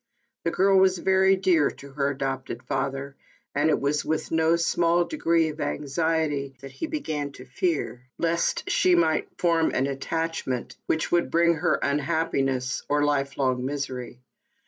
The girl was very dear to her adopted father, and it was with no small degree of anxiety that he began to fear, lest she might form an attachment, which would bring her unhappiness or life long misery.